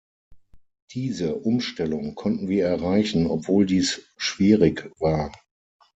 Diese Umstellung konnten wir erreichen, obwohl dies schwierig war.